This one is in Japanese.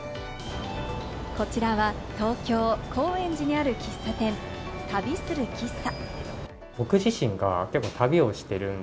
こちらは東京・高円寺にある喫茶店・旅する喫茶。